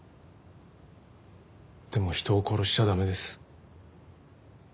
でも人を殺しちゃ駄目です。